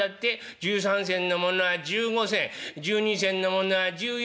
１３銭のものは１５銭１２銭のものは１４銭。